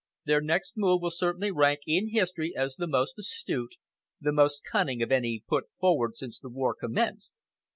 Their next move will certainly rank in history as the most astute, the most cunning of any put forward since the war commenced.